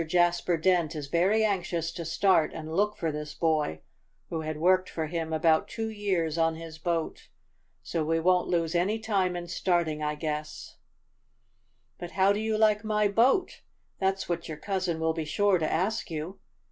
Jasper Dent is very anxious to start and look for this boy, who had worked for him about two years on his boat. So we won't lose any time in starting, I guess." "But how do you like my boat? That's what your cousin will be sure to ask you.